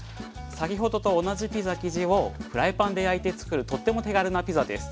先ほどと同じピザ生地をフライパンで焼いてつくるとっても手軽なピザです。